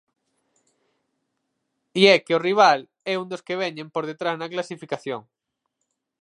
E é que o rival é un dos que veñen por detrás na clasificación.